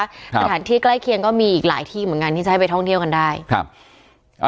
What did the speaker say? สถานที่ใกล้เคียงก็มีอีกหลายที่เหมือนกันที่จะให้ไปท่องเที่ยวกันได้ครับอ่า